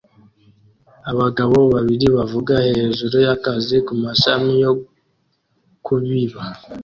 Abagabo babiri bavuga hejuru y'akazi ku mashini yo kubiba